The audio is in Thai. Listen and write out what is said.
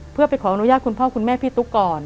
เพื่อไปขออนุญาตคุณพ่อคุณแม่พี่ตุ๊กก่อน